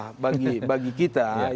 memiliki kemampuan untuk membangun komponen